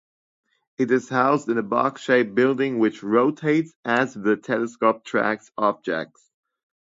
It is housed in a box-shaped building which rotates as the telescope tracks objects.